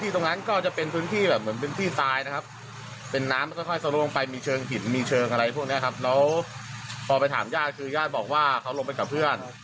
ถามญาติคือญาติบอกว่าเขาลงไปกับเพื่อน